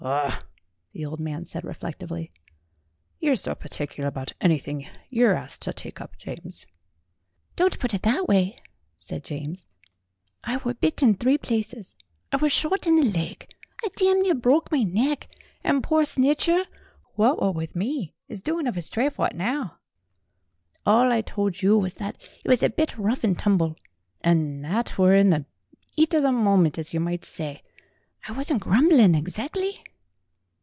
"Ah !" the old man said reflectively, "you're so par ticular about anything you're asked to take up, James." "Don't put it that way," said James. "I were bit in three places, I were shot in the leg, I damn near broke my neck, and pore Snitcher what were with me is doin' of his tray for it now. All I told you was that it were a bit rough and tumble; and that were in the 'eat of the momint as yer might say. I wasn't grum blin' exactly."